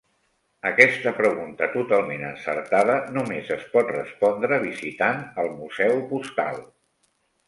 Aquesta pregunta totalment encertada només es pot respondre visitant el Museu Postal.